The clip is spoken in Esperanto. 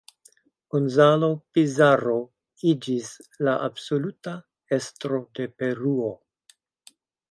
Gonzalo Pizarro iĝis la absoluta estro de Peruo.